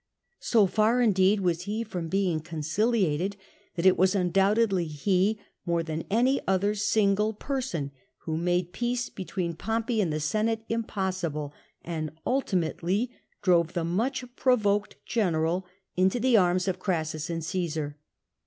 So far, indeed, was he from being conciliated, that it was undoubtedly he, more than any other single person, who made peace between Pompey and the Senate impossible, and ultimately drove the much provoked general into the arms of Crassus and Caesar.